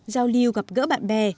giao lưu gặp gỡ bạn bè